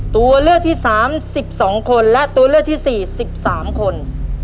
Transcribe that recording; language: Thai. ตัวเลือดที่สามสิบสองคนและตัวเลือดที่สี่สิบสามคน